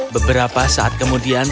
beberapa saat kemudian